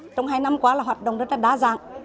trong hai năm qua là hoạt động rất là đa dạng